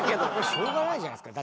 しょうがないじゃないですか。